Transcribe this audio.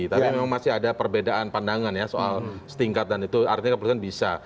tapi memang masih ada perbedaan pandangan ya soal setingkat dan itu artinya kepolisian bisa